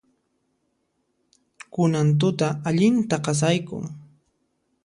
Kunan tuta allinta qasaykun.